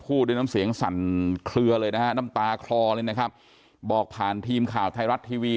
ด้วยน้ำเสียงสั่นเคลือเลยนะฮะน้ำตาคลอเลยนะครับบอกผ่านทีมข่าวไทยรัฐทีวี